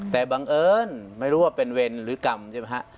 แต่บังเอิญไม่รู้ว่าเป็นเวรหรือกรรมใช่ไหมฮะ